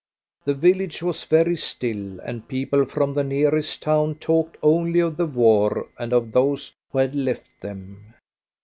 The village was very still, and people from the nearest town talked only of the war and of those who had left them.